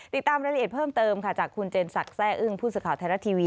ติดตามรายละเอียดเพิ่มเติมค่ะจากคุณเจนสักแร่อึ้งผู้สื่อข่าวไทยรัฐทีวี